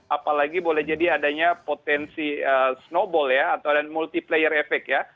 apalagi boleh jadi adanya potensi snowball ya atau ada multiplayer efek ya